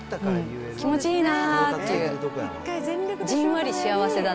気持ちいいなぁっていう。